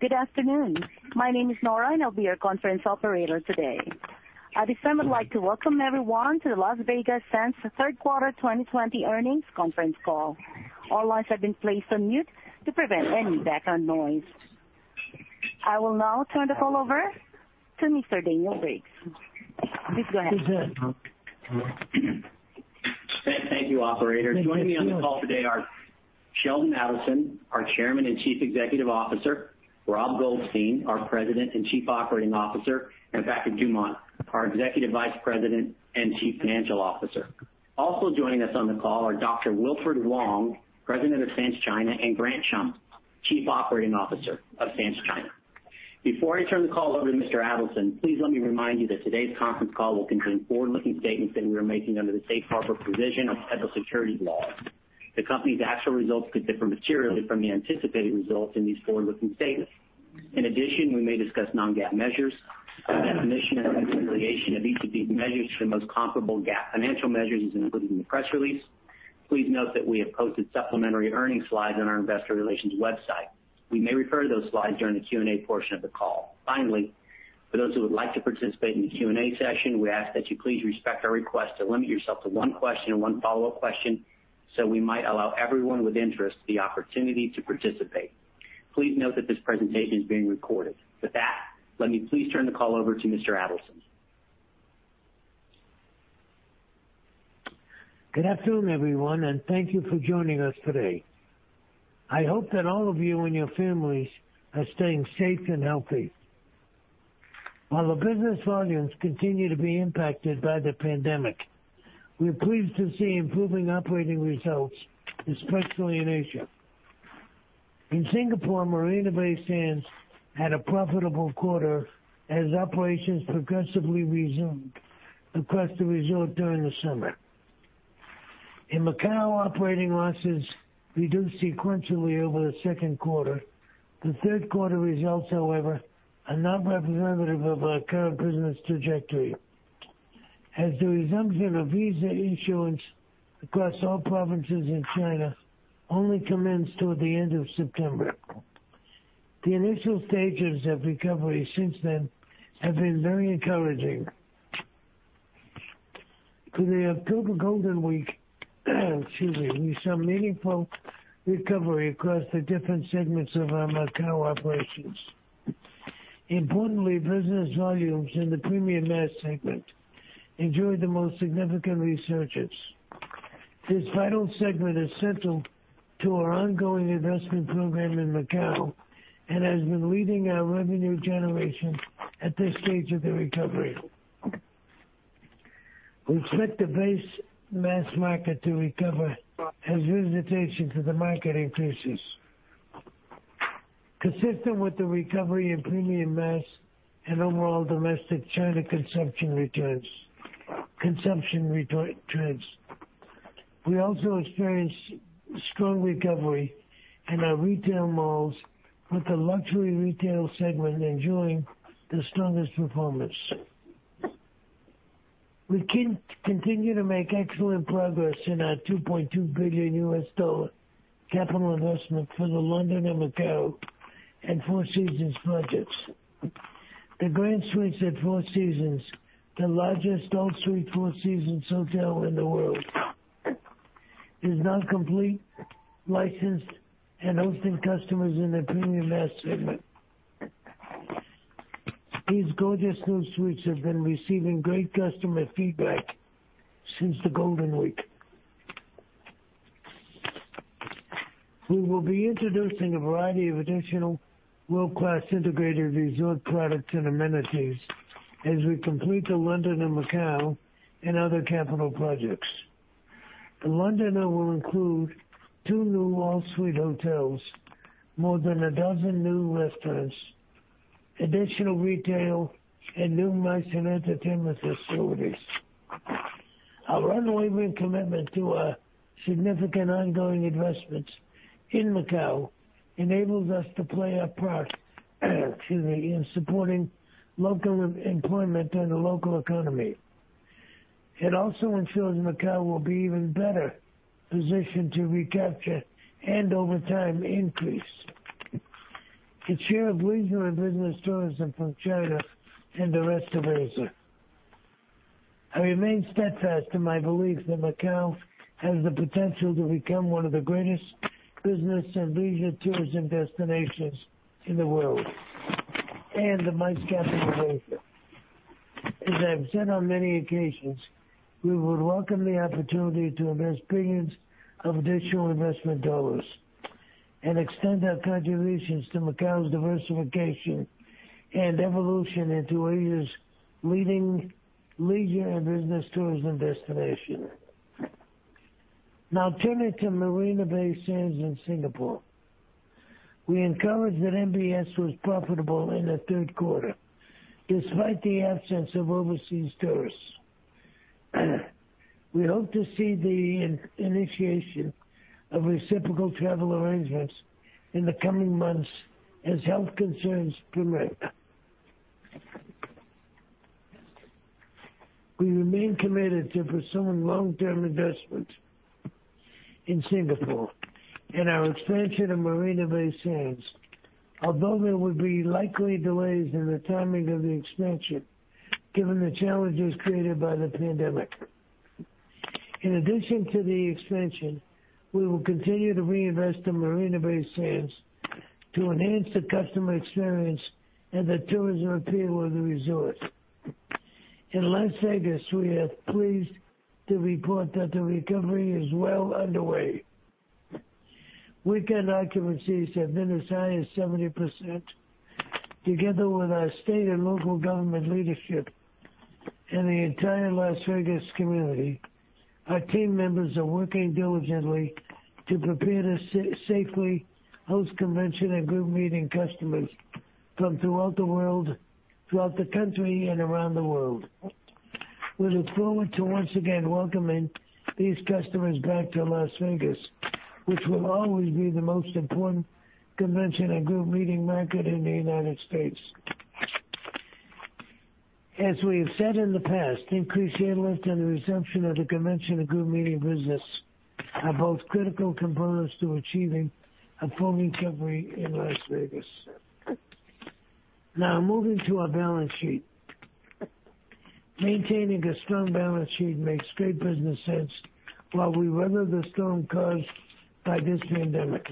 Good afternoon. My name is Nora, and I'll be your conference operator today. At this time, I'd like to welcome everyone to the Las Vegas Sands Third Quarter 2020 Earnings Conference Call. All lines have been placed on mute to prevent any background noise. I will now turn the call over to Mr. Daniel Briggs. Please go ahead. Thank you, operator. Joining me on the call today are Sheldon Adelson, our Chairman and Chief Executive Officer, Rob Goldstein, our President and Chief Operating Officer, and Patrick Dumont, our Executive Vice President and Chief Financial Officer. Also joining us on the call are Dr. Wilfred Wong, President of Sands China, and Grant Chum, Chief Operating Officer of Sands China. Before I turn the call over to Mr. Adelson, please let me remind you that today's conference call will contain forward-looking statements that we are making under the safe harbor provision of federal securities laws. The company's actual results could differ materially from the anticipated results in these forward-looking statements. In addition, we may discuss non-GAAP measures. A definition and reconciliation of each of these measures to the most comparable GAAP financial measures is included in the press release. Please note that we have posted supplementary earnings slides on our investor relations website. We may refer to those slides during the Q&A portion of the call. Finally, for those who would like to participate in the Q&A session, we ask that you please respect our request to limit yourself to one question and one follow-up question, so we might allow everyone with interest the opportunity to participate. Please note that this presentation is being recorded. With that, let me please turn the call over to Mr. Adelson. Good afternoon, everyone, thank you for joining us today. I hope that all of you and your families are staying safe and healthy. While the business volumes continue to be impacted by the pandemic, we're pleased to see improving operating results, especially in Asia. In Singapore, Marina Bay Sands had a profitable quarter as operations progressively resumed across the resort during the summer. In Macau, operating losses reduced sequentially over the second quarter. The third quarter results, however, are not representative of our current business trajectory, as the resumption of visa issuance across all provinces in China only commenced toward the end of September. The initial stages of recovery since then have been very encouraging. For the October Golden Week, we saw meaningful recovery across the different segments of our Macau operations. Importantly, business volumes in the premium mass segment enjoyed the most significant resurgence. This vital segment is central to our ongoing investment program in Macau and has been leading our revenue generation at this stage of the recovery. We expect the base mass market to recover as visitation to the market increases. Consistent with the recovery in premium mass and overall domestic China consumption returns. We also experienced strong recovery in our retail malls, with the luxury retail segment enjoying the strongest performance. We continue to make excellent progress in our $2.2 billion capital investment for The Londoner Macao and Four Seasons projects. The Grand Suites at Four Seasons, the largest all-suite Four Seasons hotel in the world, is now complete, licensed, and hosting customers in their premium mass segment. These gorgeous new suites have been receiving great customer feedback since the Golden Week. We will be introducing a variety of additional world-class integrated resort products and amenities as we complete The Londoner Macao and other capital projects. The Londoner will include two new all-suite hotels, more than a dozen new restaurants, additional retail, and new MICE and entertainment facilities. Our unwavering commitment to our significant ongoing investments in Macao enables us to play our part, in supporting local employment and the local economy. It also ensures Macao will be even better positioned to recapture and, over time, increase its share of leisure and business tourism from China and the rest of Asia. I remain steadfast in my belief that Macao has the potential to become one of the greatest business and leisure tourism destinations in the world and the MICE capital of Asia. As I've said on many occasions, we would welcome the opportunity to invest billions of additional investment dollars and extend our contributions to Macau's diversification and evolution into Asia's leading leisure and business tourism destination. Now turning to Marina Bay Sands in Singapore. We're encouraged that MBS was profitable in the third quarter, despite the absence of overseas tourists. We hope to see the initiation of reciprocal travel arrangements in the coming months as health concerns permit. We remain committed to pursuing long-term investment in Singapore and our expansion of Marina Bay Sands. Although there would be likely delays in the timing of the expansion, given the challenges created by the pandemic. In addition to the expansion, we will continue to reinvest in Marina Bay Sands to enhance the customer experience and the tourism appeal of the resort. In Las Vegas, we are pleased to report that the recovery is well underway. Weekend occupancies have been as high as 70%. Together with our state and local government leadership and the entire Las Vegas community, our team members are working diligently to prepare to safely host convention and group meeting customers from throughout the country and around the world. We look forward to once again welcoming these customers back to Las Vegas, which will always be the most important convention and group meeting market in the United States. As we have said in the past, increased airlift and the resumption of the convention and group meeting business are both critical components to achieving a full recovery in Las Vegas. Now, moving to our balance sheet. Maintaining a strong balance sheet makes great business sense while we weather the storm caused by this pandemic.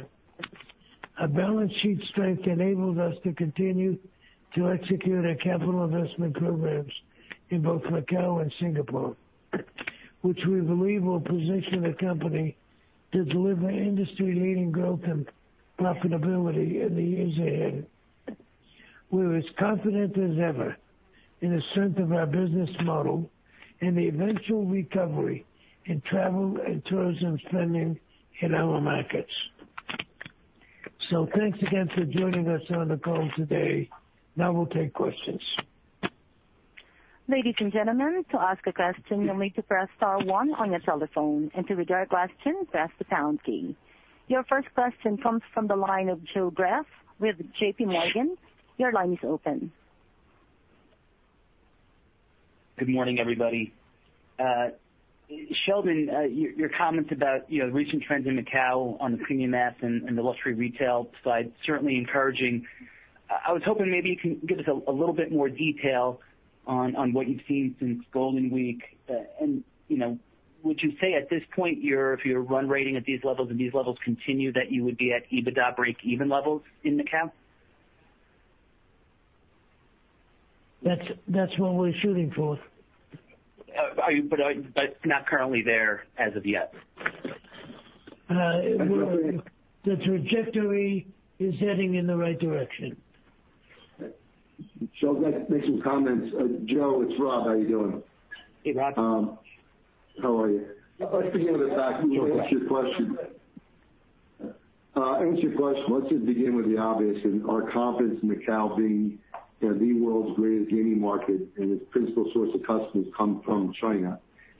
Our balance sheet strength enables us to continue to execute our capital investment programs in both Macau and Singapore, which we believe will position the company to deliver industry-leading growth and profitability in the years ahead. We're as confident as ever in the strength of our business model and the eventual recovery in travel and tourism spending in our markets. Thanks again for joining us on the call today. We'll take questions. Ladies and gentlemen, to ask a question, you'll need to press star one on your telephone, and to withdraw your question, press the pound key. Your first question comes from the line of Joe Greff with JPMorgan. Your line is open. Good morning, everybody. Sheldon, your comments about recent trends in Macau on the premium mass and the luxury retail side, certainly encouraging. I was hoping maybe you can give us a little bit more detail on what you've seen since Golden Week. Would you say at this point, if your run-rating at these levels and these levels continue, that you would be at EBITDA breakeven levels in Macau? That's what we're shooting for. Not currently there as of yet? The trajectory is heading in the right direction. Sheldon, can I make some comments? Joe, it's Rob. How you doing? Hey, Rob. How are you? [inaudible] Joe, to answer your question, let's just begin with the obvious, and our confidence in Macau being the world's greatest gaming market, and its principal source of customers come from China.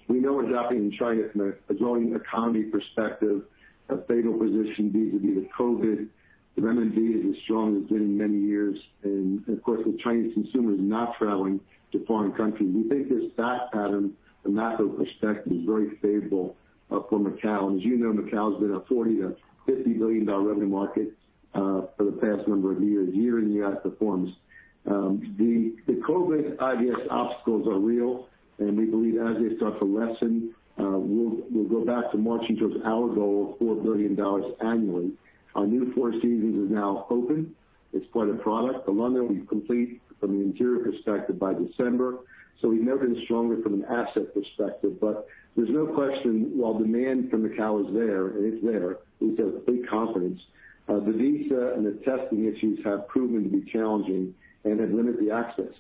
We know exactly in China, from a growing economy perspective, a favorable position vis-a-vis the COVID. The RMB is as strong as it's been in many years, and of course, with Chinese consumers not traveling to foreign countries. We think this fact pattern from that whole perspective is very favorable for Macau. As you know, Macau's been a $40 billion-$50 billion revenue market for the past number of years, year in, year out performance. The COVID-related obstacles are real, and we believe as they start to lessen, we'll go back to marching towards our goal of $4 billion annually. Our new Four Seasons is now open. It's quite a product. The Londoner, we complete from an interior perspective by December. We've never been stronger from an asset perspective, but there's no question, while demand from Macau is there, and it's there, we have complete confidence. The visa and the testing issues have proven to be challenging and have limited the access.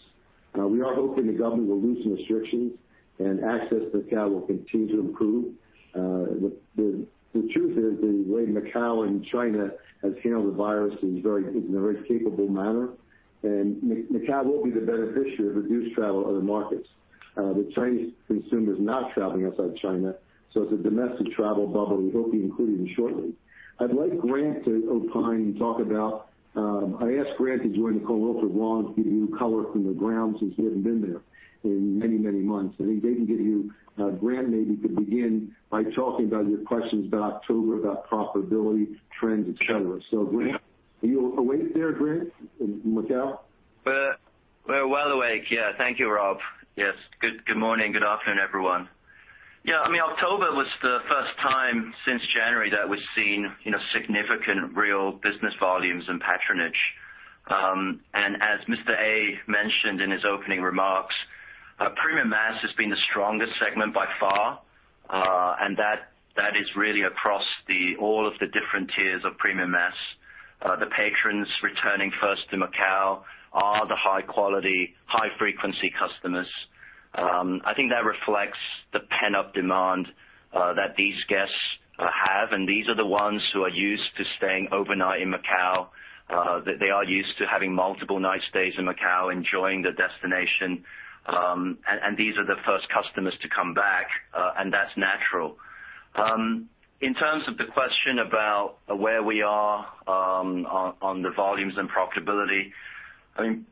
We are hoping the government will loosen restrictions and access to Macau will continue to improve. The truth is, the way Macau and China has handled the virus is in a very capable manner, and Macau will be the beneficiary of reduced travel to other markets. The Chinese consumer is not traveling outside China, so it's a domestic travel bubble we hope to be included in shortly. I'd like Grant to opine. I asked Grant to join the call also, along with giving you color from the ground since he hasn't been there in many, many months. I think they can give you, Grant maybe could begin by talking about your questions about October, about profitability, trends, et cetera. Grant, are you awake there, Grant, in Macau? We're well awake, yeah. Thank you, Rob. Yes. Good morning. Good afternoon, everyone. Yeah, October was the first time since January that we've seen significant real business volumes and patronage. As Mr. A mentioned in his opening remarks, premium mass has been the strongest segment by far. That is really across all of the different tiers of premium mass. The patrons returning first to Macau are the high quality, high frequency customers. I think that reflects the pent-up demand that these guests have, and these are the ones who are used to staying overnight in Macau, that they are used to having multiple night stays in Macau, enjoying the destination. These are the first customers to come back, and that's natural. In terms of the question about where we are on the volumes and profitability,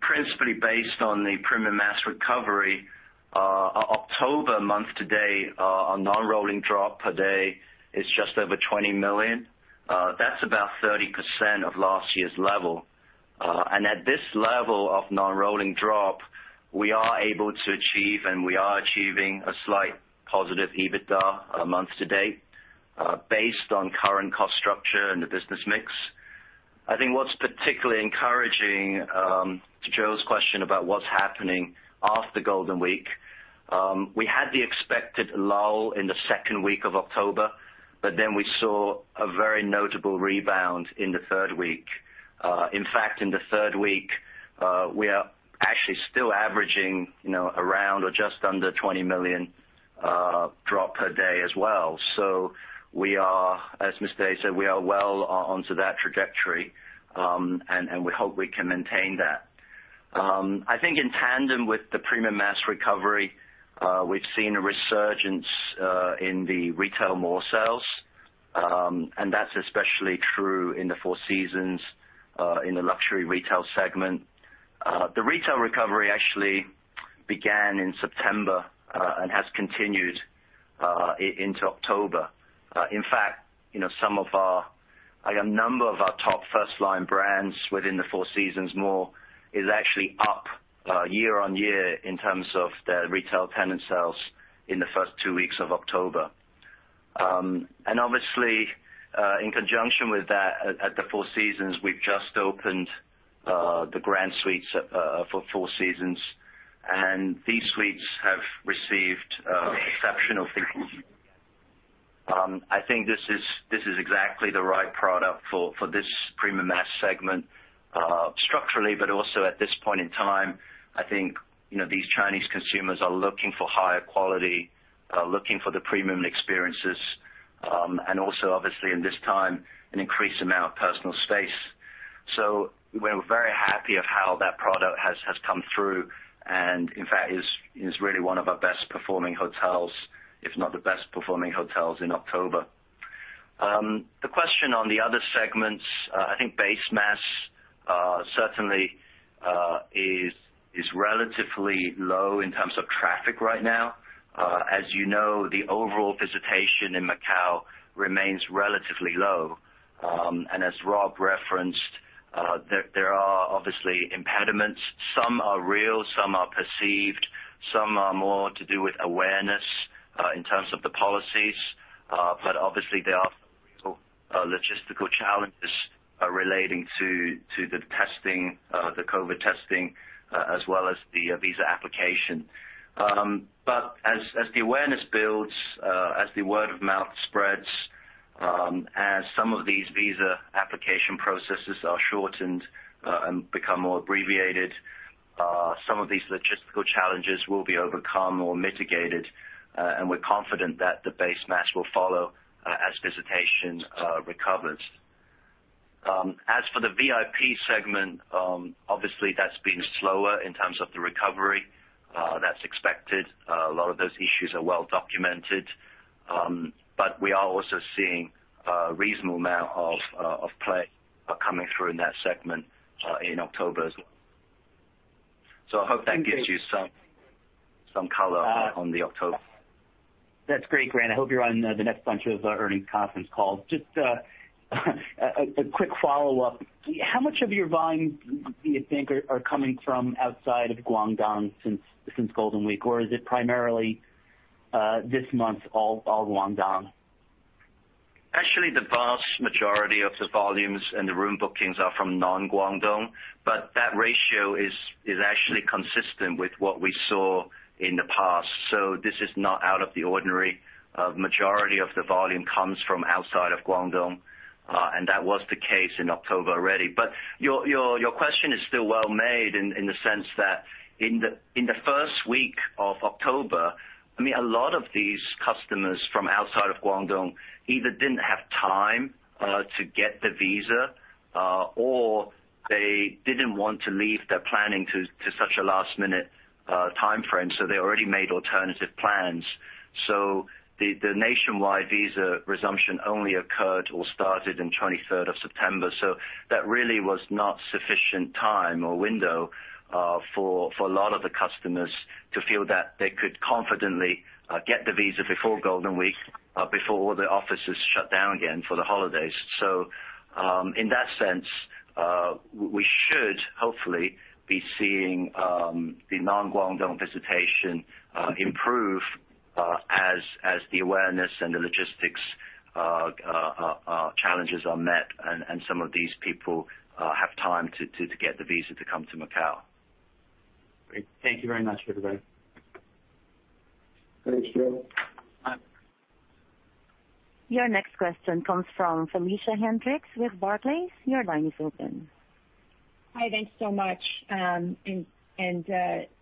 principally based on the premium mass recovery, October month to date, our non-rolling drop per day is just over $20 million. That's about 30% of last year's level. At this level of non-rolling drop, we are able to achieve, and we are achieving, a slight positive EBITDA month to date based on current cost structure and the business mix. I think what's particularly encouraging, to Joe's question about what's happening after Golden Week, we had the expected lull in the second week of October, but then we saw a very notable rebound in the third week. In fact, in the third week, we are actually still averaging around or just under $20 million drops per day as well. As Mr. A said, we are well onto that trajectory, and we hope we can maintain that. I think in tandem with the premium mass recovery, we've seen a resurgence in the retail mall sales, and that's especially true in the Four Seasons, in the luxury retail segment. The retail recovery actually began in September, and has continued into October. In fact, a number of our top first-line brands within the Four Seasons mall is actually up year-on-year in terms of their retail tenant sales in the first two weeks of October. Obviously, in conjunction with that, at the Four Seasons, we've just opened The Grand Suites at Four Seasons, and these suites have received exceptional feedback. I think this is exactly the right product for this premium mass segment structurally, also at this point in time, I think these Chinese consumers are looking for higher quality, looking for the premium experiences. Also obviously in this time, an increased amount of personal space. We're very happy of how that product has come through, and in fact, is really one of our best-performing hotels, if not the best-performing hotel in October. The question on the other segments, I think base mass certainly is relatively low in terms of traffic right now. As you know, the overall visitation in Macau remains relatively low. As Rob referenced, there are obviously impediments. Some are real, some are perceived, some are more to do with awareness in terms of the policies. Obviously, there are logistical challenges relating to the COVID testing as well as the visa application. As the awareness builds, as the word of mouth spreads, as some of these visa application processes are shortened and become more abbreviated, some of these logistical challenges will be overcome or mitigated. We're confident that the base mass will follow as visitation recovers. As for the VIP segment, obviously that's been slower in terms of the recovery. That's expected. A lot of those issues are well-documented. We are also seeing a reasonable amount of play coming through in that segment in October as well. I hope that gives you some color on October. That's great, Grant. I hope you're on the next bunch of earnings conference calls. Just a quick follow-up. How much of your volumes do you think are coming from outside of Guangdong since Golden Week? Or is it primarily, this month, all Guangdong? Actually, the vast majority of the volumes and the room bookings are from non-Guangdong, but that ratio is actually consistent with what we saw in the past. This is not out of the ordinary. Majority of the volume comes from outside of Guangdong, and that was the case in October already. Your question is still well made in the sense that in the first week of October, a lot of these customers from outside of Guangdong either didn't have time to get the visa, or they didn't want to leave their planning to such a last-minute timeframe, so they already made alternative plans. The nationwide visa resumption only occurred or started on the 23rd of September. That really was not sufficient time or window for a lot of the customers to feel that they could confidently get the visa before Golden Week, before the offices shut down again for the holidays. In that sense, we should hopefully be seeing the non-Guangdong visitation improve, as the awareness and the logistics challenges are met and some of these people have time to get the visa to come to Macau. Great. Thank you very much for the color. Thanks, Joe. Bye. Your next question comes from Felicia Hendrix with Barclays. Your line is open. Hi. Thanks so much. Grant,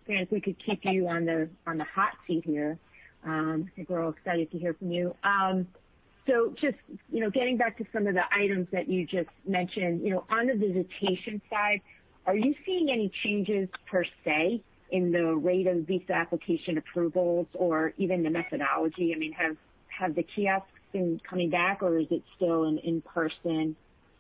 if we could keep you on the hot seat here. I think we're all excited to hear from you. Just getting back to some of the items that you just mentioned. On the visitation side, are you seeing any changes per se in the rate of visa application approvals or even the methodology? Have the kiosks been coming back, or is it still an in-person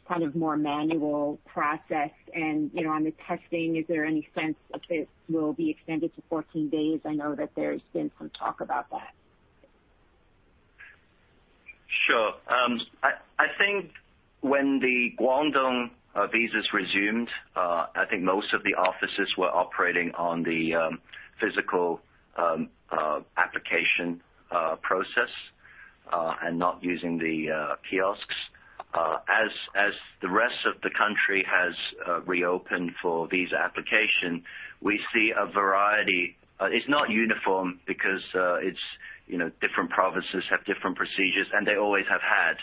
kind of more manual process and on the testing, is there any sense if it will be extended to 14 days? Sure. I think when the Guangdong visas resumed, I think most of the offices were operating on the physical application process, and not using the kiosks. As the rest of the country has reopened for visa application, we see a variety. It's not uniform because different provinces have different procedures, and they always have had.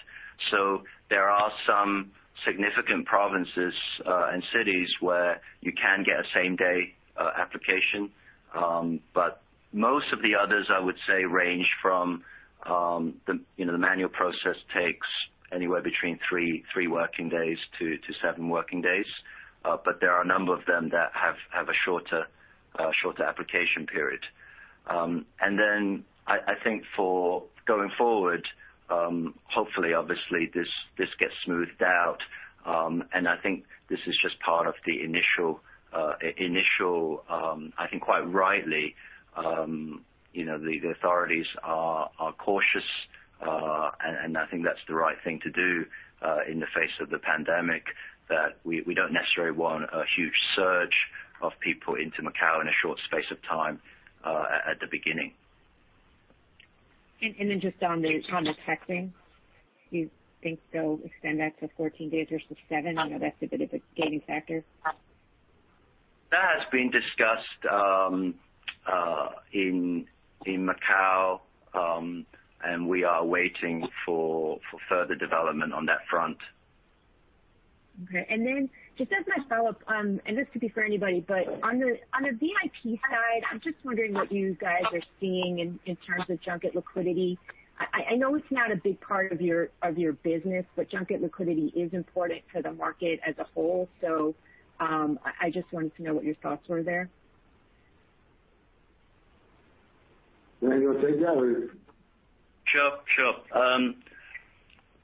There are some significant provinces, and cities where you can get a same-day application. Most of the others, I would say range from the manual process takes anywhere between three working days to seven working days. There are a number of them that have a shorter application period. Then I think for going forward, hopefully, obviously this gets smoothed out. I think this is just part of the initial, I think quite rightly, the authorities are cautious. I think that's the right thing to do, in the face of the pandemic, that we don't necessarily want a huge surge of people into Macau in a short space of time, at the beginning. Then just on the testing, do you think they'll extend that to 14 days versus seven? I know that's a bit of a gaming factor. That has been discussed in Macao. We are waiting for further development on that front. Just as my follow-up, and this could be for anybody, but on the VIP side, I'm just wondering what you guys are seeing in terms of junket liquidity. I know it's not a big part of your business, but junket liquidity is important to the market as a whole. I just wanted to know what your thoughts were there. You want me to take that or? Sure.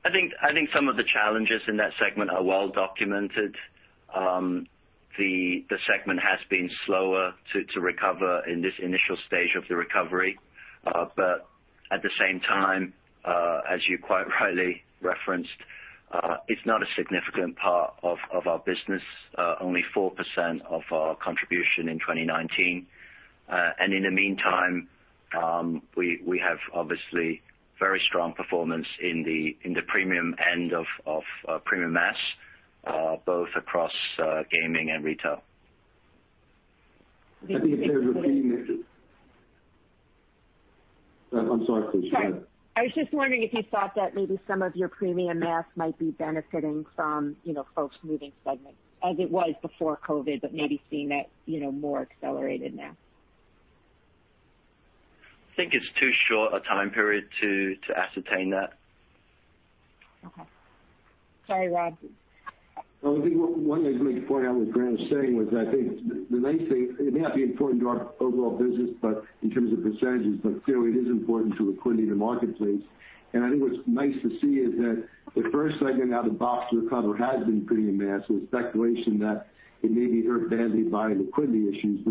I think some of the challenges in that segment are well-documented. The segment has been slower to recover in this initial stage of the recovery. At the same time, as you quite rightly referenced, it's not a significant part of our business. Only 4% of our contribution in 2019. In the meantime, we have obviously very strong performance in the premium end of premium mass, both across gaming and retail. I think in terms of premium- I'm sorry, please go ahead. Sure. I was just wondering if you thought that maybe some of your premium mass might be benefiting from folks moving segments as it was before COVID, but maybe seeing that more accelerated now. I think it's too short a time period to ascertain that. Okay. Sorry, Rob. I think one thing to point out what Grant was saying was I think the main thing, it may not be important to our overall business, but in terms of percentages, but clearly it is important to liquidity in the marketplace. I think what's nice to see is that the first segment out of the box to recover has been premium mass. Speculation that it may be hurt badly by liquidity issues.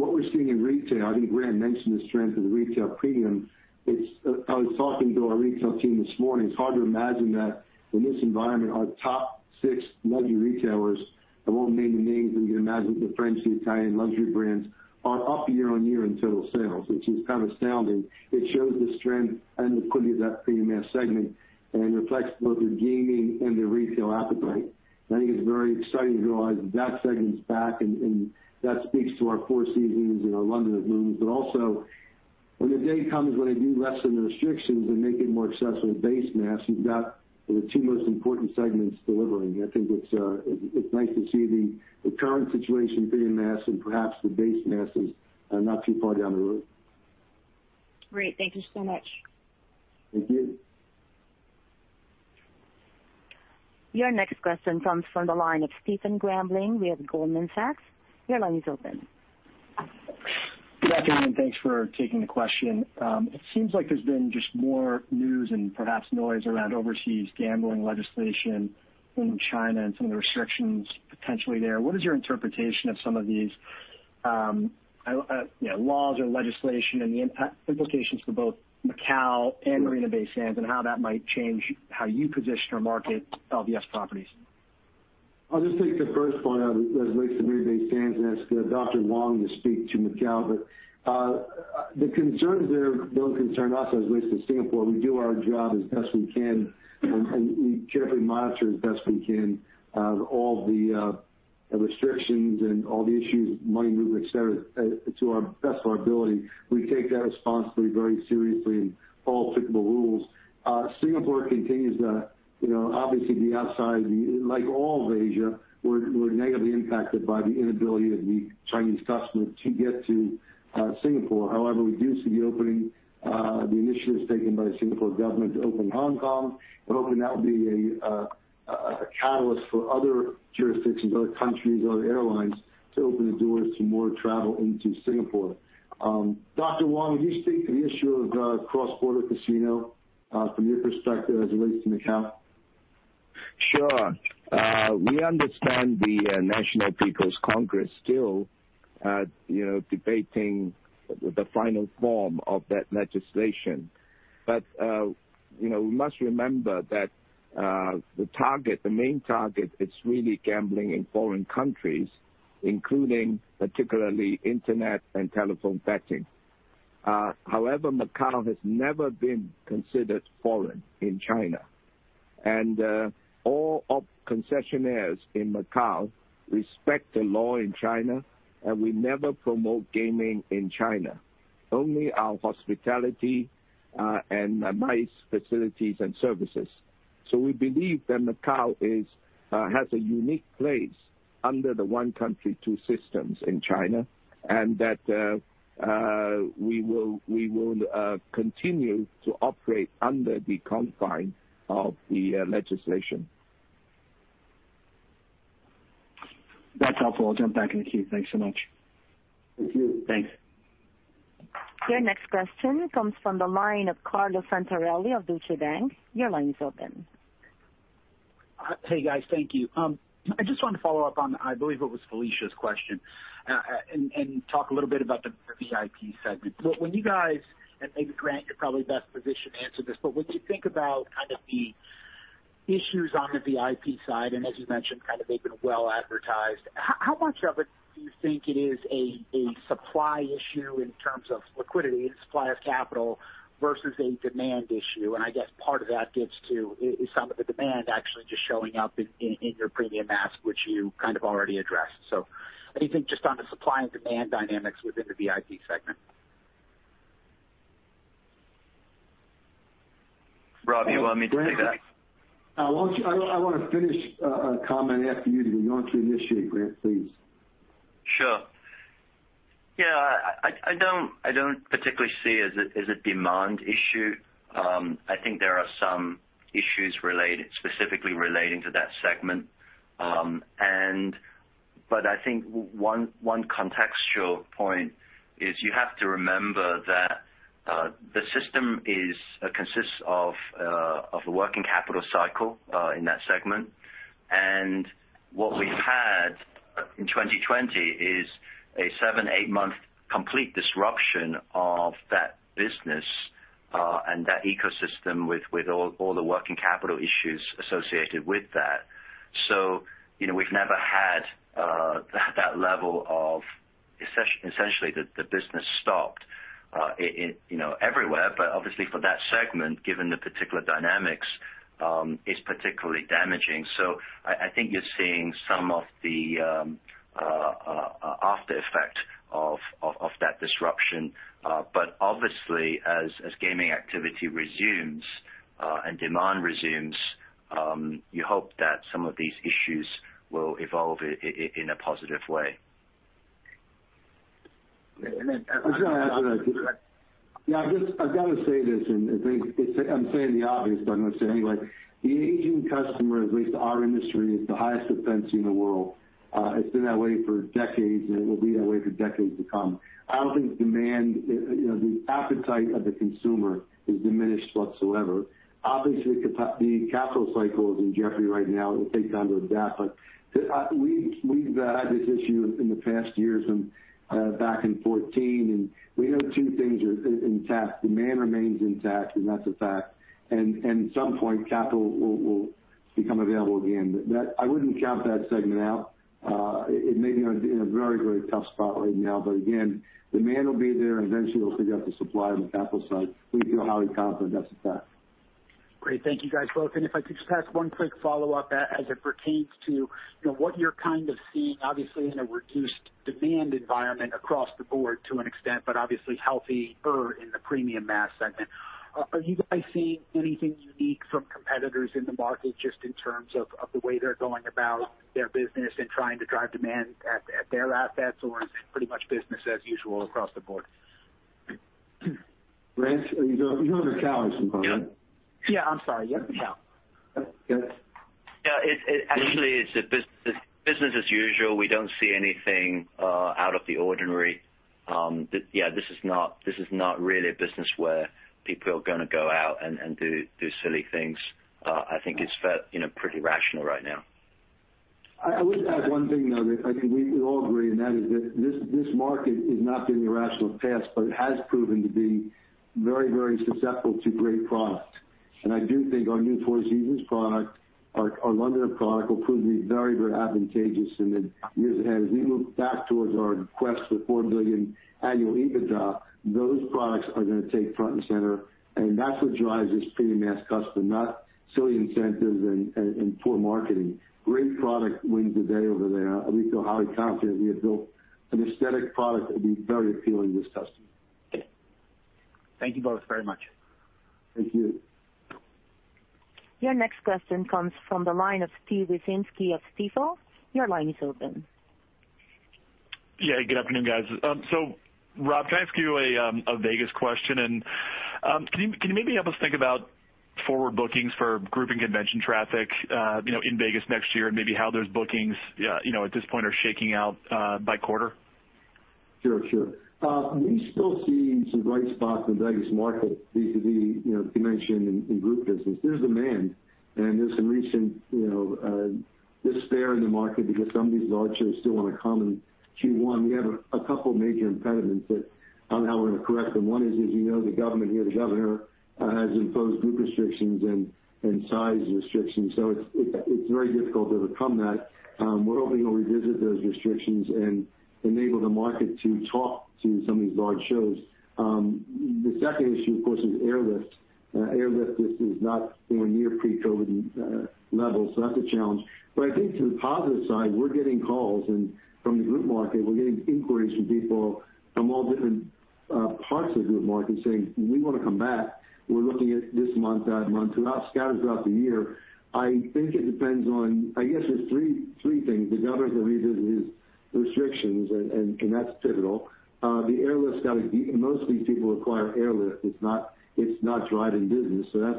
What we're seeing in retail, I think Grant mentioned the strength of the retail premium. I was talking to our retail team this morning. It's hard to imagine that in this environment, our top six luxury retailers, I won't name the names, but you can imagine the French, the Italian luxury brands, are up year-on-year in total sales, which is kind of astounding. It shows the strength and liquidity of that premium mass segment and reflects both the gaming and the retail appetite. I think it's very exciting to realize that that segment is back and that speaks to our Four Seasons and our The Londoner Macao. Also, when the day comes, when they do lessen the restrictions and make it more accessible to base mass, you've got the two most important segments delivering. I think it's nice to see the current situation, premium mass and perhaps the base mass is not too far down the road. Great. Thank you so much. Thank you. Your next question comes from the line of Stephen Grambling with Goldman Sachs. Your line is open. Good afternoon. Thanks for taking the question. It seems like there's been just more news and perhaps noise around overseas gambling legislation in China and some of the restrictions potentially there. What is your interpretation of some of these laws or legislation and the implications for both Macau and Marina Bay Sands and how that might change how you position or market LVS properties? I'll just take the first point as it relates to Marina Bay Sands and ask Dr. Wong to speak to Macau. The concerns there don't concern us as it relates to Singapore. We do our job as best we can, and we carefully monitor as best we can, all the restrictions and all the issues, money movement, et cetera, to our best of our ability. We take that responsibility very seriously and follow applicable rules. Singapore continues to obviously be outside, like all of Asia, we're negatively impacted by the inability of the Chinese customer to get to Singapore. However, we do see the opening, the initiatives taken by the Singapore government to open Hong Kong. We're hoping that will be a catalyst for other jurisdictions, other countries, other airlines to open the doors to more travel into Singapore. Dr. Wong, could you speak to the issue of cross-border casino, from your perspective as it relates to Macau? Sure. We understand the National People's Congress still debating the final form of that legislation. We must remember that the main target is really gambling in foreign countries, including particularly internet and telephone betting. However, Macau has never been considered foreign in China. All of concessionaires in Macau respect the law in China, and we never promote gaming in China, only our hospitality and nice facilities and services. We believe that Macau has a unique place under the one country, two systems in China, and that we will continue to operate under the confines of the legislation. That's helpful. I'll jump back in the queue. Thanks so much. Thank you. Thanks. Your next question comes from the line of Carlo Santarelli of Deutsche Bank. Your line is open. Hey, guys. Thank you. I just wanted to follow up on, I believe it was Felicia's question, and talk a little bit about the VIP segment. Maybe Grant, you're probably best positioned to answer this, but when you think about the issues on the VIP side, and as you mentioned, they've been well advertised, how much of it do you think it is a supply issue in terms of liquidity and supply of capital versus a demand issue? I guess part of that gets to is some of the demand actually just showing up in your premium mass, which you already addressed. Anything just on the supply and demand dynamics within the VIP segment? Rob, you want me to take that? I want to finish a comment after you, then you want to initiate, Grant, please. Sure. Yeah, I don't particularly see it as a demand issue. I think there are some issues specifically relating to that segment. I think one contextual point is you have to remember that the system consists of a working capital cycle in that segment. What we've had in 2020 is a seven, eight-month complete disruption of that business and that ecosystem with all the working capital issues associated with that. We've never had that level of, essentially, the business stopped everywhere. Obviously, for that segment, given the particular dynamics, is particularly damaging. I think you're seeing some of the aftereffect of that disruption. Obviously, as gaming activity resumes and demand resumes, you hope that some of these issues will evolve in a positive way. Yeah, I've got to say this, and I'm saying the obvious, but I'm going to say it anyway. The Asian customer, at least our industry, is the highest spending in the world. It's been that way for decades, and it will be that way for decades to come. I don't think the appetite of the consumer is diminished whatsoever. Obviously, the capital cycle is in jeopardy right now. It will take time to adapt. We've had this issue in the past years and back in 2014, and we know two things are intact. Demand remains intact, and that's a fact. At some point, capital will become available again. I wouldn't count that segment out. It may be in a very tough spot right now, but again, demand will be there, and eventually we'll figure out the supply on the capital side. We feel highly confident that's a fact. Great. Thank you guys both. If I could just ask one quick follow-up as it pertains to what you're seeing, obviously, in a reduced demand environment across the board to an extent, but obviously healthier in the premium mass segment. Are you guys seeing anything unique from competitors in the market just in terms of the way they're going about their business and trying to drive demand at their assets, or is it pretty much business as usual across the board? Grant, you're in Macau or Singapore, right? Yeah. I'm sorry. Yes, Macau. Go ahead. Yeah. Actually, it's business as usual. We don't see anything out of the ordinary. This is not really a business where people are going to go out and do silly things. I think it's felt pretty rational right now. I would add one thing, though, that I think we all agree, and that is that this market has not been irrational in the past, but it has proven to be very susceptible to great product. I do think our new Four Seasons product, our Londoner product, will prove to be very advantageous in the years ahead. As we move back towards our quest for $4 billion annual EBITDA, those products are going to take front and center, and that's what drives this premium mass customer, not silly incentives and poor marketing. Great product wins the day over there. We feel highly confident we have built an aesthetic product that will be very appealing to this customer. Thank you both very much. Thank you. Your next question comes from the line of Steve Wieczynski of Stifel. Your line is open. Yeah, good afternoon, guys. Rob, can I ask you a Vegas question? Can you maybe help us think about forward bookings for group and convention traffic in Vegas next year, and maybe how those bookings, at this point, are shaking out by quarter? Sure. We still see some bright spots in Vegas market B2B, as you mentioned, in group business. There's demand, and there's some recent despair in the market because some of these large shows still want to come in Q1. We have a couple major impediments that on how we're going to correct them. One is, as you know, the government here, the governor, has imposed group restrictions and size restrictions, so it's very difficult to overcome that. We're hoping he'll revisit those restrictions and enable the market to talk to some of these large shows. The second issue, of course, is airlift. Airlift just is not near pre-COVID levels, so that's a challenge. I think to the positive side, we're getting calls, and from the group market, we're getting inquiries from people from all different parts of the group market saying, "We want to come back. We're looking at this month, that month, throughout, scattered throughout the year. I guess there's three things. The governor can revisit his restrictions. That's pivotal. Most of these people require airlift. It's not drive-in business.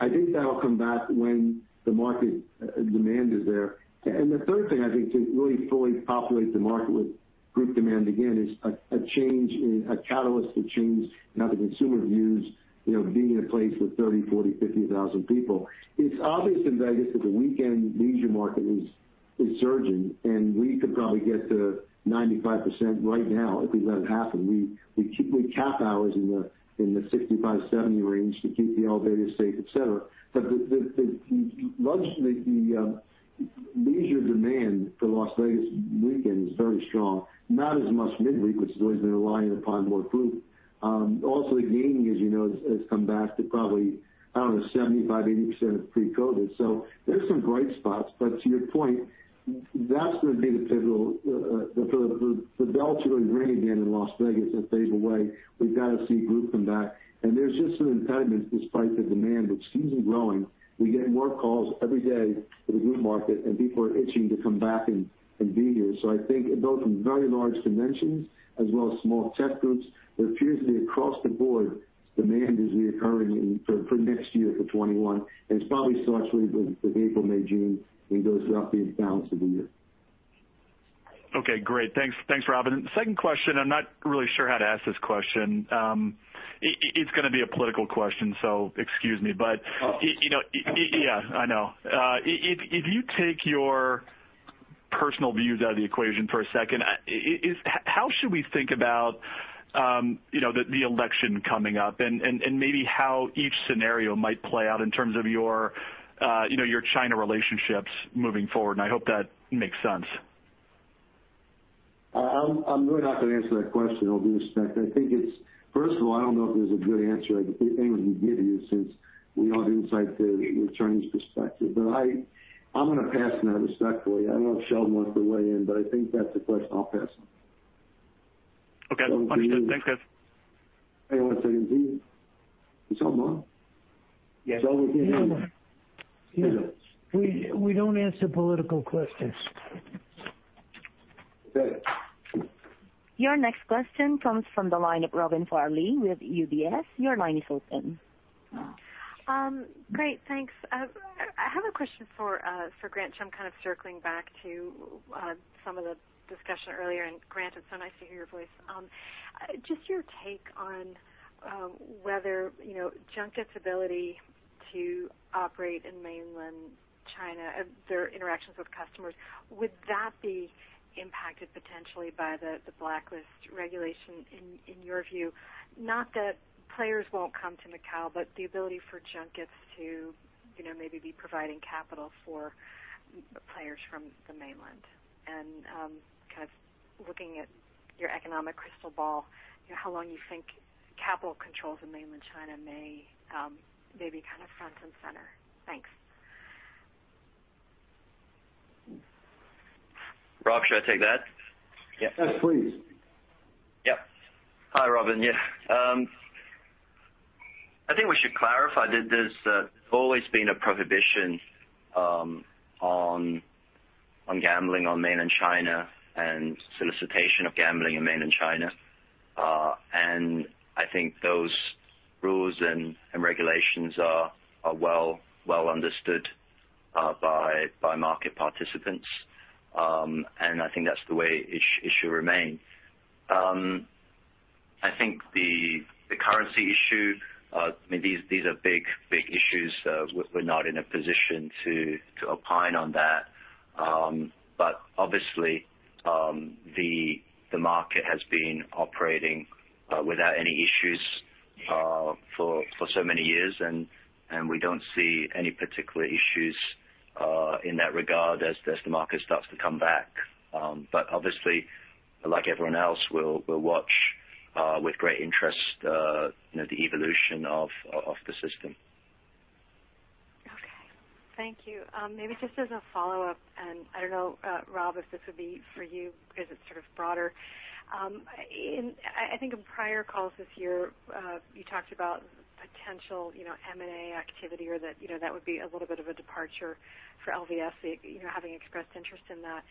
I think that'll come back when the market demand is there. The third thing, I think, to really fully populate the market with group demand again, is a catalyst to change how the consumer views being in a place with 30,000, 40,000, 50,000 people. It's obvious in Vegas that the weekend leisure market is surging. We could probably get to 95% right now if we let it happen. We cap hours in the 65, 70 range to keep the elevator safe, et cetera. The leisure demand for Las Vegas weekend is very strong. Not as much midweek, which has always been relying upon more group. Gaming, as you know, has come back to probably, I don't know, 75%-80% of pre-COVID. There's some bright spots, to your point, that's going to be pivotal. For the bells to really ring again in Las Vegas and Far East, we've got to see group come back. There's just some impediments despite the demand, which seems to be growing. We get more calls every day for the group market, people are itching to come back and be here. I think it goes from very large conventions as well as small tech groups, appears to be across the board, demand is reoccurring for next year, for 2021. It's probably still actually with April, May, June, goes throughout the balance of the year. Okay, great. Thanks, Rob. Second question, I'm not really sure how to ask this question. It's going to be a political question, excuse me. Oh. Yeah, I know. If you take your personal views out of the equation for a second, how should we think about the election coming up and maybe how each scenario might play out in terms of your China relationships moving forward? I hope that makes sense. I'm really not going to answer that question, all due respect. First of all, I don't know if there's a good answer I could even give you, since we don't insight the Chinese perspective. I'm going to pass on that respectfully. I don't know if Sheldon wants to weigh in, I think that's a question I'll pass on. Okay. Understood. Thanks, guys. Hang on one second, please. It's on mine? Yes. Sheldon, we can't hear you. We don't answer political questions. Okay. Your next question comes from the line of Robin Farley with UBS. Your line is open. Great, thanks. I have a question for Grant, so I'm kind of circling back to some of the discussion earlier. Grant, it's so nice to hear your voice. Just your take on whether junkets ability to operate in mainland China, their interactions with customers, would that be impacted potentially by the blacklist regulation in your view? Not that players won't come to Macau, but the ability for junkets to maybe be providing capital for players from the mainland. Kind of looking at your economic crystal ball, how long you think capital controls in mainland China may be kind of front and center? Thanks. Rob, should I take that? Yes, please. Yep. Hi, Robin. Yeah. I think we should clarify that there's always been a prohibition on gambling on mainland China and solicitation of gambling in mainland China. I think those rules and regulations are well understood by market participants. I think that's the way it should remain. I think the currency issue, these are big issues. We're not in a position to opine on that. Obviously, the market has been operating without any issues for so many years, and we don't see any particular issues in that regard as the market starts to come back. Obviously, like everyone else, we'll watch with great interest the evolution of the system. Okay. Thank you. Maybe just as a follow-up, and I don't know, Rob, if this would be for you because it's sort of broader. I think in prior calls this year, you talked about potential M&A activity or that would be a little bit of a departure for LVS, having expressed interest in that.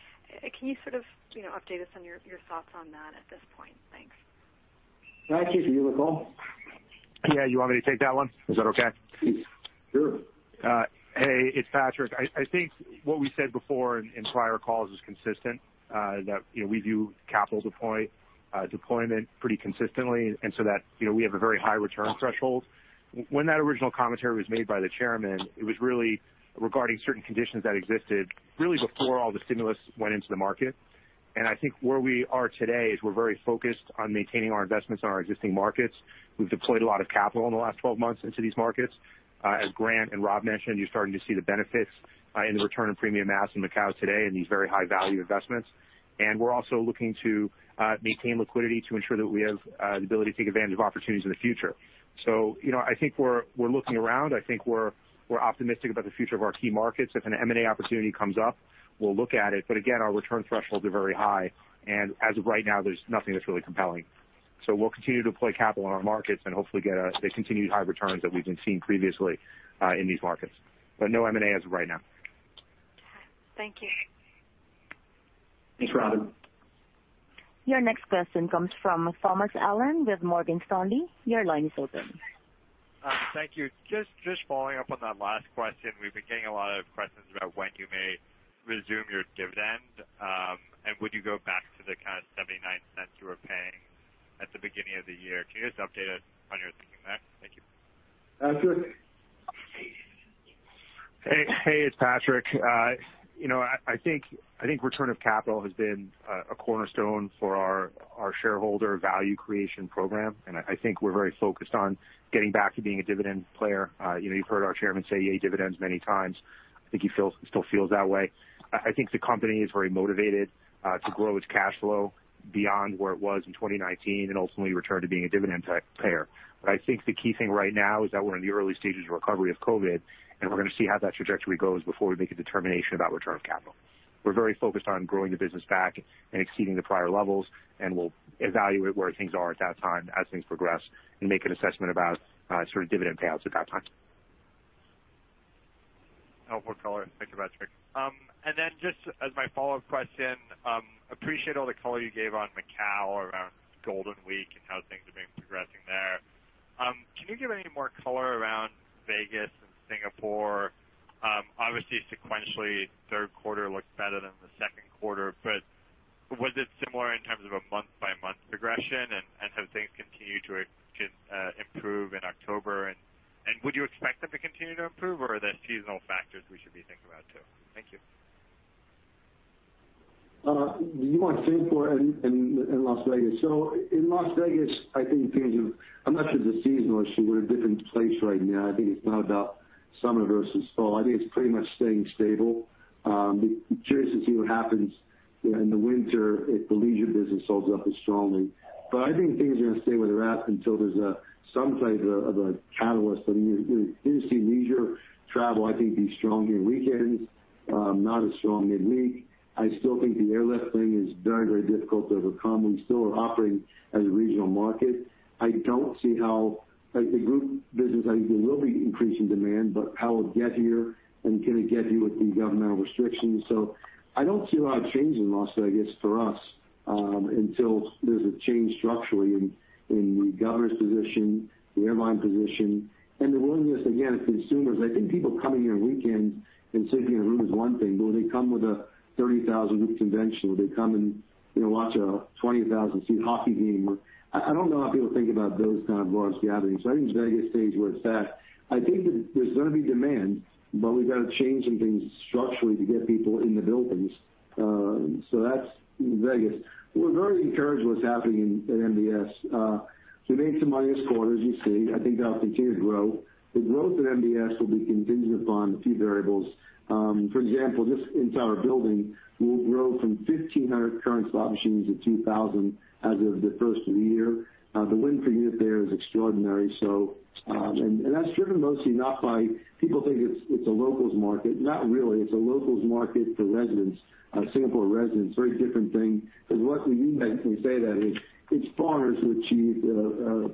Can you sort of update us on your thoughts on that at this point? Thank you. Do you want to have a go? Yeah. You want me to take that one? Is that okay? Sure. Hey, it's Patrick. I think what we said before in prior calls is consistent, that we view capital deployment pretty consistently, that we have a very high return threshold. When that original commentary was made by the Chairman, it was really regarding certain conditions that existed really before all the stimulus went into the market. I think where we are today is we're very focused on maintaining our investments in our existing markets. We've deployed a lot of capital in the last 12 months into these markets. As Grant and Rob mentioned, you're starting to see the benefits in the return of premium mass in Macau today in these very high-value investments. We're also looking to maintain liquidity to ensure that we have the ability to take advantage of opportunities in the future. I think we're looking around. I think we're optimistic about the future of our key markets. If an M&A opportunity comes up, we'll look at it. Again, our return thresholds are very high, and as of right now, there's nothing that's really compelling. We'll continue to deploy capital in our markets and hopefully get the continued high returns that we've been seeing previously in these markets. No M&A as of right now. Okay. Thank you. Thanks, Robin. Your next question comes from Thomas Allen with Morgan Stanley. Your line is open. Thank you. Just following up on that last question. We've been getting a lot of questions about when you may resume your dividend, and would you go back to the kind of $0.79 you were paying at the beginning of the year. Can you just update us on your thinking there? Thank you. Patrick. Hey, it's Patrick. I think return of capital has been a cornerstone for our shareholder value creation program, and I think we're very focused on getting back to being a dividend player. You've heard our Chairman say, "Yay, dividends." many times. I think he still feels that way. I think the company is very motivated to grow its cash flow beyond where it was in 2019 and ultimately return to being a dividend payer. I think the key thing right now is that we're in the early stages of recovery of COVID, and we're going to see how that trajectory goes before we make a determination about return of capital. We're very focused on growing the business back and exceeding the prior levels, and we'll evaluate where things are at that time as things progress and make an assessment about sort of dividend payouts at that time. Helpful color. Thank you, Patrick. Just as my follow-up question, appreciate all the color you gave on Macau around Golden Week and how things have been progressing there. Can you give any more color around Vegas and Singapore? Obviously, sequentially, third quarter looks better than the second quarter, but was it similar in terms of a month-by-month progression, and have things continued to improve in October? Would you expect them to continue to improve, or are there seasonal factors we should be thinking about, too? Thank you. You want Singapore and Las Vegas. In Las Vegas, I'm not sure if it's seasonal or we're in a different place right now. I think it's not about summer versus fall. I think it's pretty much staying stable. Be curious to see what happens in the winter if the leisure business holds up as strongly. I think things are going to stay where they're at until there's some type of a catalyst. You do see leisure travel, I think, be strong here weekends, not as strong midweek. I still think the airlift thing is very difficult to overcome. We still are operating as a regional market. I don't see how the group business, I think there will be increasing demand, but how it'll get here, and can it get here with the governmental restrictions? I don't see a lot of change in Las Vegas for us, until there's a change structurally in the governor's position, the airline position, and the willingness, again, of consumers. I think people coming here on weekends and sitting in a room is one thing, but will they come with a 30,000-week convention? Will they come and watch a 20,000-seat hockey game? I don't know how people think about those kind of large gatherings. I think Vegas stays where it's at. I think that there's going to be demand, but we've got to change some things structurally to get people in the buildings. That's Vegas. We're very encouraged what's happening in MBS. We made some money this quarter, as you see. I think that'll continue to grow. The growth in MBS will be contingent upon a few variables. For example, just inside our building, we'll grow from 1,500 current slot machines to 2,000 as of the first of the year. The win per unit there is extraordinary. That's driven mostly not by people think it's a locals market. Not really. It's a locals market for residents, Singapore residents, very different thing. Luckily, we say that it's foreigners who achieve status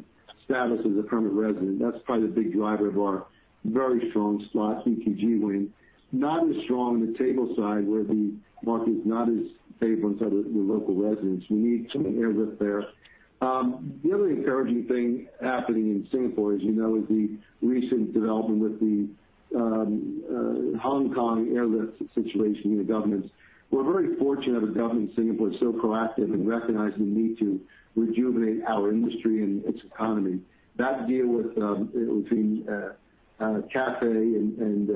as a permanent resident. That's probably the big driver of our very strong slot ETG win. Not as strong on the table side where the market is not as favorable inside with local residents. We need some airlift there. The other encouraging thing happening in Singapore, as you know, is the recent development with the Hong Kong airlift situation and the governments. We're very fortunate that the government in Singapore is so proactive in recognizing the need to rejuvenate our industry and its economy. That deal between Cathay and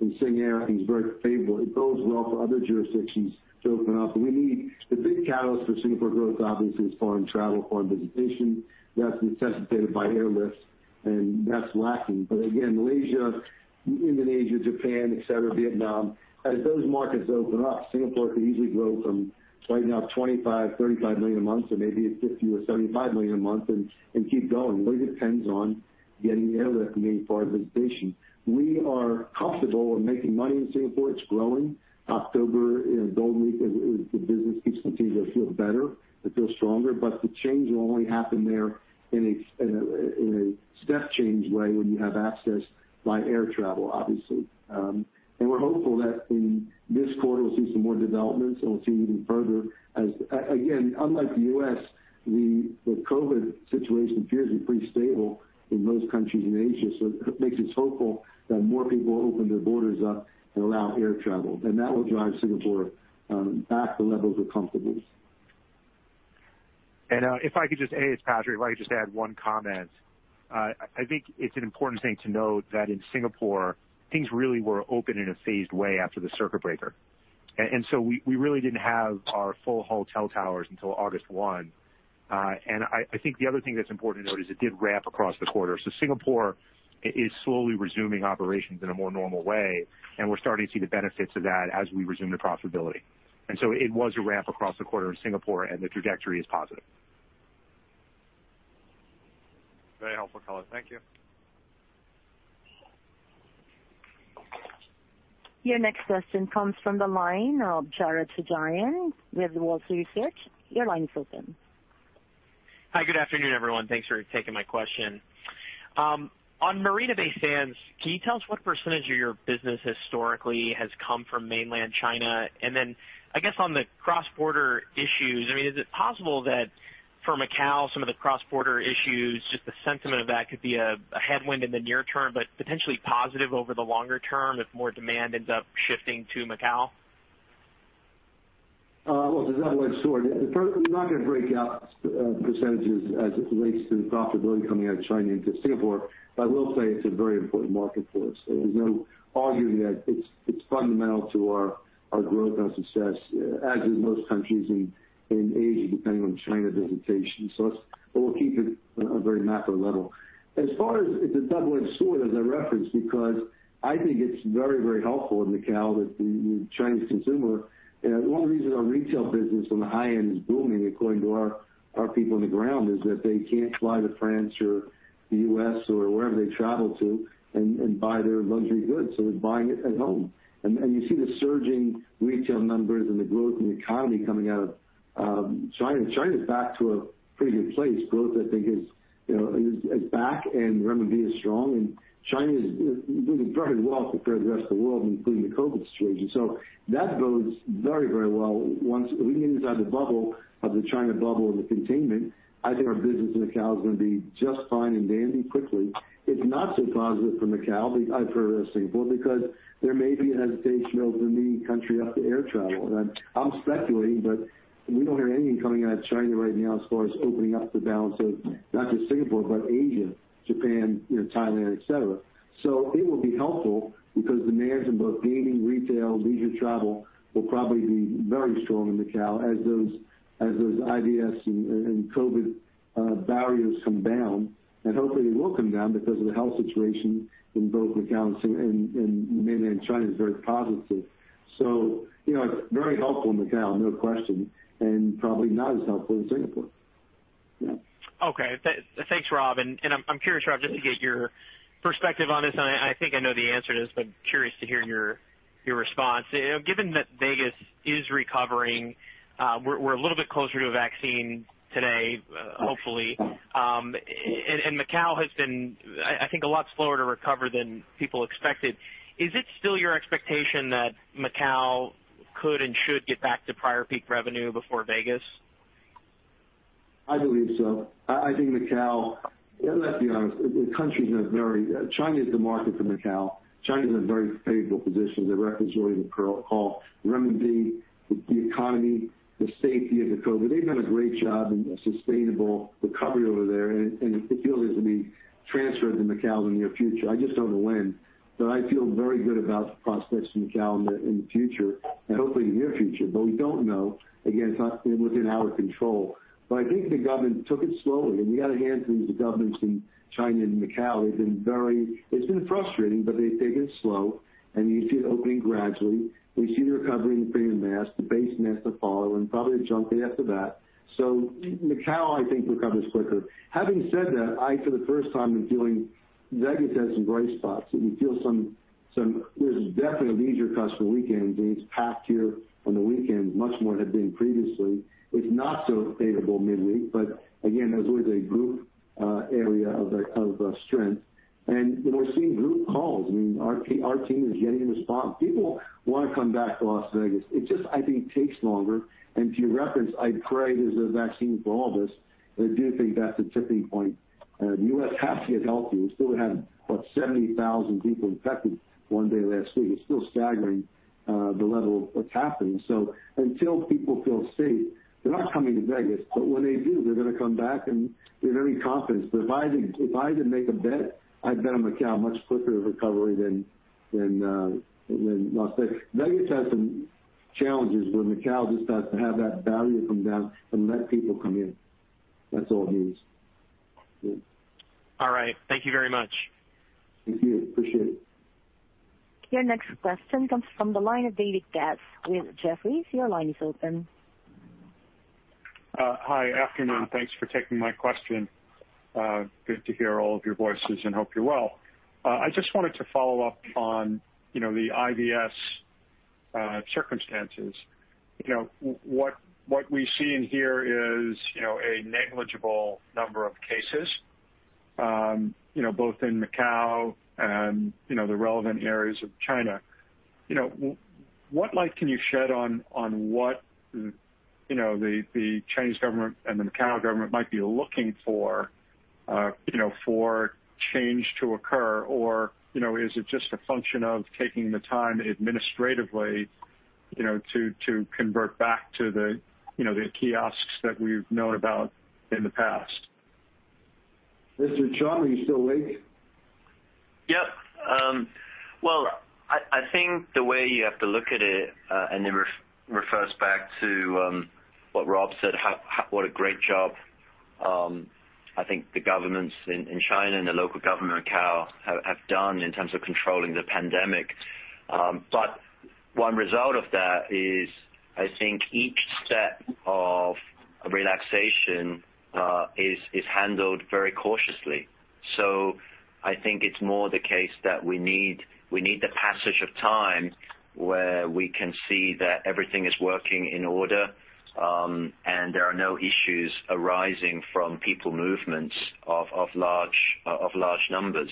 SingAir, I think, is very favorable. It bodes well for other jurisdictions to open up. The big catalyst for Singapore growth, obviously, is foreign travel, foreign visitation. That's necessitated by airlifts, that's lacking. Again, Malaysia, Indonesia, Japan, et cetera, Vietnam. As those markets open up, Singapore could easily grow from right now, $25 million, $35 million a month to maybe $50 million or $75 million a month, keep going. It depends on getting the airlift coming in for our visitation. We are comfortable with making money in Singapore. It's growing. October, Golden Week, the business keeps continuing to feel better. It feels stronger, the change will only happen there in a step change way when you have access by air travel, obviously. We're hopeful that in this quarter, we'll see some more developments, and we'll see even further as, again, unlike the U.S., the COVID situation appears to be pretty stable in most countries in Asia. It makes us hopeful that more people will open their borders up and allow air travel. That will drive Singapore back to levels we're comfortable with. Hey, it's Patrick. If I could just add one comment. I think it's an important thing to note that in Singapore, things really were open in a phased way after the circuit breaker. We really didn't have our full hotel towers until August 1. I think the other thing that's important to note is it did ramp across the quarter. Singapore is slowly resuming operations in a more normal way, and we're starting to see the benefits of that as we resume to profitability. It was a ramp across the quarter in Singapore, and the trajectory is positive. Very helpful color. Thank you. Your next question comes from the line of Jared Shojaian with Wolfe Research. Your line is open. Hi, good afternoon, everyone. Thanks for taking my question. On Marina Bay Sands, can you tell us what percentage of your business historically has come from mainland China? Then, I guess on the cross-border issues, is it possible that for Macau, some of the cross-border issues, just the sentiment of that could be a headwind in the near term, but potentially positive over the longer term if more demand ends up shifting to Macau? Well, it's a double-edged sword. I'm not going to break out % as it relates to the profitability coming out of China into Singapore, but I will say it's a very important market for us. There's no arguing that. It's fundamental to our growth and our success, as is most countries in Asia, depending on China visitation. We'll keep it a very macro level. As far as it's a double-edged sword, as I referenced, because I think it's very helpful in Macau with the Chinese consumer. One of the reasons our retail business on the high end is booming, according to our people on the ground, is that they can't fly to France or the U.S. or wherever they travel to and buy their luxury goods, so they're buying it at home. You see the surging retail numbers and the growth in the economy coming out of China. China's back to a pretty good place. Growth, I think is back. Renminbi is strong. China is doing very well compared to the rest of the world, including the COVID situation. That bodes very well. Once we get inside the bubble of the China bubble and the containment, I think our business in Macau is going to be just fine and dandy quickly. It's not so positive for Macau, for Singapore, because there may be a hesitation opening the country up to air travel. I'm speculating. We don't hear anything coming out of China right now as far as opening up the balance of not just Singapore, but Asia, Japan, Thailand, et cetera. It will be helpful because demands in both gaming, retail, leisure travel will probably be very strong in Macau as those IVS and COVID barriers come down. Hopefully they will come down because of the health situation in both Macau and mainland China is very positive. It's very helpful in Macau, no question, and probably not as helpful in Singapore. Yeah. Okay. Thanks, Rob. I'm curious, Rob, just to get your perspective on this, and I think I know the answer to this, but curious to hear your response. Given that Vegas is recovering, we're a little bit closer to a vaccine today, hopefully. Macau has been, I think, a lot slower to recover than people expected. Is it still your expectation that Macau could and should get back to prior peak revenue before Vegas? I believe so. I think Macau, let's be honest, China is the market for Macau. China is in a very favorable position. They're record-breaking the protocol, renminbi, the economy, the safety of the COVID. They've done a great job in sustainable recovery over there. It feels as if we transfer to Macau in the near future. I just don't know when. I feel very good about the prospects for Macau in the future and hopefully the near future. We don't know. Again, it's not within our control. I think the government took it slowly. We got to hand things to governments in China and Macau. It's been frustrating. They've taken it slow. You see it opening gradually. We see the recovery in the premium mass, the base mass to follow and probably a jump after that. Macau, I think, recovers quicker. Having said that, I, for the first time, am feeling Vegas has some bright spots. We feel there's definitely a leisure customer weekend. It's packed here on the weekend, much more than had been previously. It's not so favorable midweek, but again, there's always a group area of strength. We're seeing group calls. Our team is getting a response. People want to come back to Las Vegas. It just, I think, takes longer. To your reference, I pray there's a vaccine for all of us. I do think that's a tipping point. The U.S. has to get healthy. We still have, what, 70,000 people infected one day last week. It's still staggering, the level of what's happening. Until people feel safe, they're not coming to Vegas. When they do, they're going to come back and with every confidence. If I had to make a bet, I'd bet on Macau much quicker recovery than Las Vegas. Vegas has some challenges where Macau just has to have that value come down and let people come in. That's all it needs. All right. Thank you very much. Thank you. Appreciate it. Your next question comes from the line of David Katz with Jefferies. Your line is open. Hi. Afternoon. Thanks for taking my question. Good to hear all of your voices and hope you are well. I just wanted to follow up on the IVS circumstances. What we see in here is a negligible number of cases both in Macau and the relevant areas of China. What light can you shed on what the Chinese government and the Macau government might be looking for change to occur? Is it just a function of taking the time administratively to convert back to the kiosks that we've known about in the past. Mr. Chum, are you still awake? Yep. Well, I think the way you have to look at it, and it refers back to what Rob said, what a great job I think the governments in China and the local government in Macau have done in terms of controlling the pandemic. One result of that is, I think each step of relaxation is handled very cautiously. I think it's more the case that we need the passage of time where we can see that everything is working in order, and there are no issues arising from people movements of large numbers.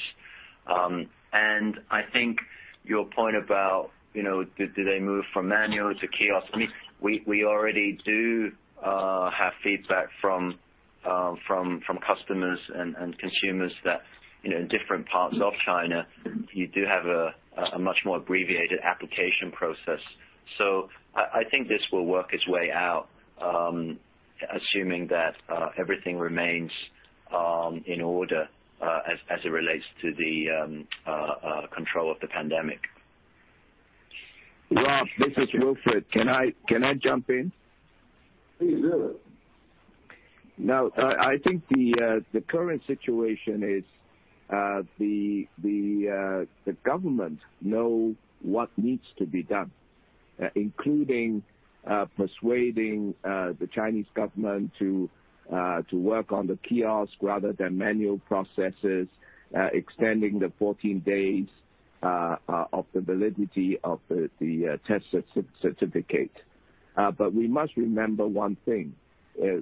I think your point about, do they move from manual to kiosk? We already do have feedback from customers and consumers that different parts of China, you do have a much more abbreviated application process. I think this will work its way out, assuming that everything remains in order as it relates to the control of the pandemic. Rob, this is Wilfred. Can I jump in? Please do. I think the current situation is the government know what needs to be done, including persuading the Chinese government to work on the kiosk rather than manual processes, extending the 14 days of the validity of the test certificate. We must remember one thing.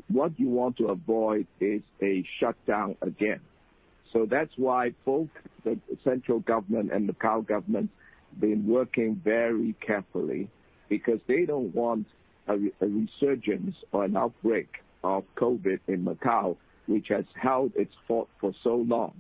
What you want to avoid is a shutdown again. That's why both the central government and Macau government been working very carefully because they don't want a resurgence or an outbreak of COVID in Macau, which has held its fort for so long.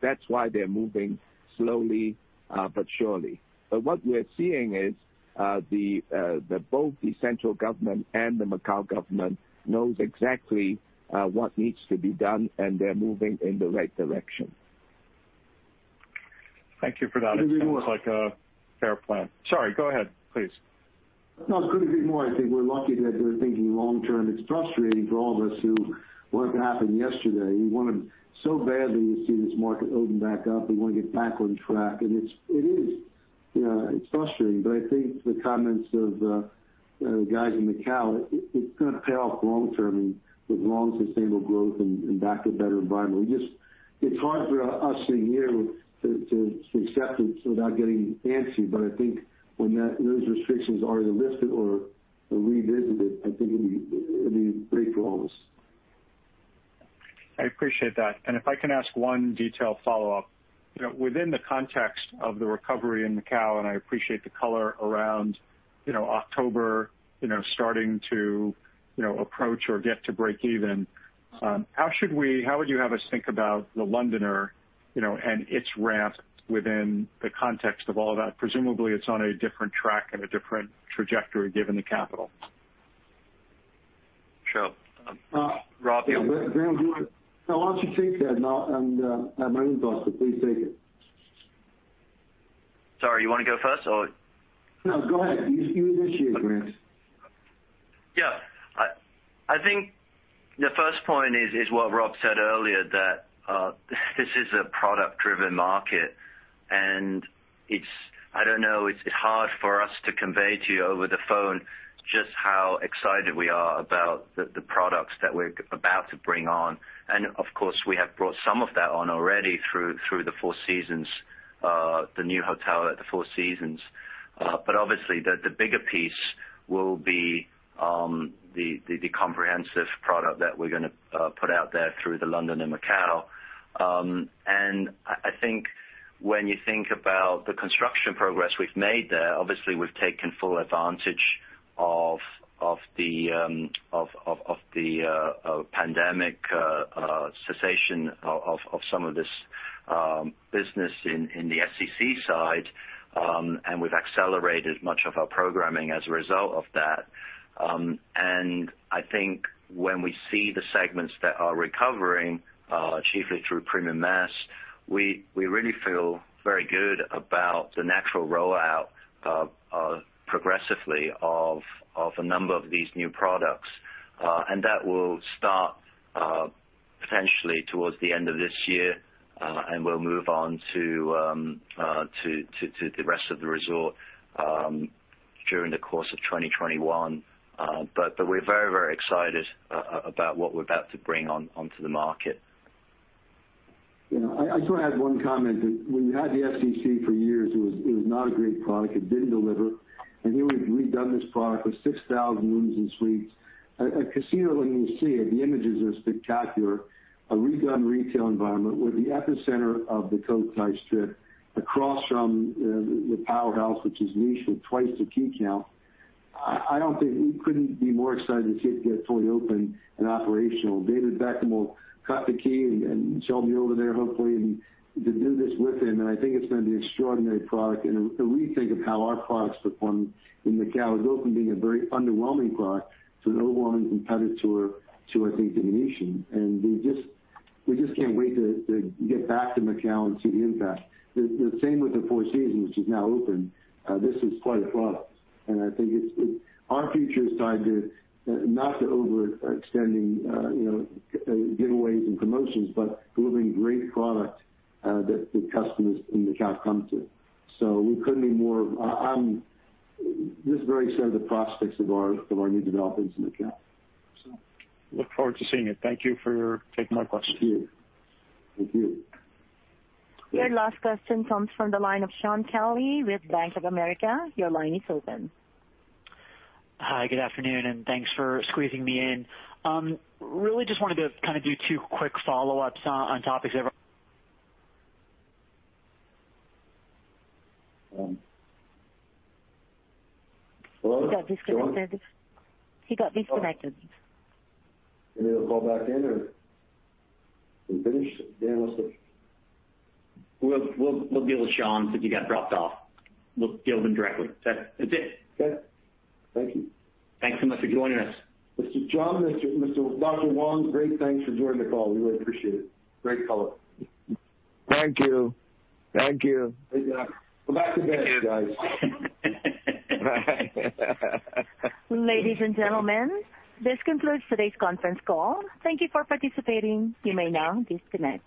That's why they're moving slowly but surely. What we're seeing is both the central government and the Macau government knows exactly what needs to be done, and they're moving in the right direction. Thank you for that. Couldn't be more- It sounds like a fair plan. Sorry, go ahead, please. No, it couldn't be more. I think we're lucky that they're thinking long-term. It's frustrating for all of us who want it to happen yesterday. We wanted so badly to see this market open back up. We want to get back on track. It is. It's frustrating, but I think the comments of the guys in Macau, it's going to pay off long-term with long, sustainable growth and back to a better environment. It's hard for us sitting here to accept it without getting antsy, but I think when those restrictions are either lifted or are revisited, I think it'll be great for all of us. I appreciate that. If I can ask one detailed follow-up. Within the context of the recovery in Macau, and I appreciate the color around October, starting to approach or get to break even, how would you have us think about The Londoner, and its ramp within the context of all of that? Presumably, it's on a different track and a different trajectory given the capital. Sure. Rob, No, why don't you take that, and I'm ready to pass it. Please take it. Sorry, you want to go first or? No, go ahead. You initiate, Grant. Yeah. I think the first point is what Rob said earlier, that this is a product-driven market, and it's hard for us to convey to you over the phone just how excited we are about the products that we're about to bring on. Of course, we have brought some of that on already through the Four Seasons, the new hotel at the Four Seasons. Obviously, the bigger piece will be the comprehensive product that we're going to put out there through The Londoner Macao. I think when you think about the construction progress we've made there, obviously, we've taken full advantage of the pandemic cessation of some of this business in the SCC side, and we've accelerated much of our programming as a result of that. I think when we see the segments that are recovering, chiefly through premium mass, we really feel very good about the natural rollout progressively of a number of these new products. That will start potentially towards the end of this year, and we'll move on to the rest of the resort during the course of 2021. We're very excited about what we're about to bring onto the market. I just want to add one comment. When you had the SCC for years, it was not a great product. It didn't deliver. Here we've redone this product with 6,000 rooms and suites. A casino, when you see it, the images are spectacular. A redone retail environment. We're the epicenter of the Cotai Strip across from the powerhouse, which is Venetian, twice the key count. I couldn't be more excited to see it get fully open and operational. David Beckham will cut the key and he'll be over there hopefully, and to do this with him, and I think it's going to be extraordinary product and a rethink of how our products perform in Macau. It's often been a very underwhelming product to an overwhelming competitor to, I think, the Venetian. We just can't wait to get back to Macau and see the impact. The same with the Four Seasons, which is now open. This is quite a product, and I think our future is tied to, not to overextending giveaways and promotions, but delivering great product that the customers in Macau come to. I'm just very excited of the prospects of our new developments in Macau. Look forward to seeing it. Thank you for taking my question. Thank you. Your last question comes from the line of Shaun Kelley with Bank of America. Your line is open. Hi, good afternoon. Thanks for squeezing me in. Really just wanted to do two quick follow-ups on topics of. Hello? Shaun? He got disconnected. You want me to call back in or we finished? Dan. We'll deal with Shaun since he got dropped off. We'll deal with him directly. That's it. Okay. Thank you. Thanks so much for joining us. Mr. Chum, Mr. Wong, great thanks for joining the call. We really appreciate it. Great color. Thank you. Thank you Great job. Go back to bed, guys. Bye. Ladies and gentlemen, this concludes today's conference call. Thank you for participating. You may now disconnect.